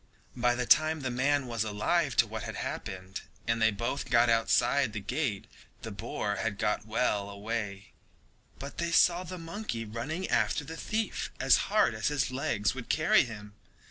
By the time that the man was alive to what had happened, and they both got outside the gate, the boar had got well away, but they saw the monkey running after the thief as hard as his legs would carry him.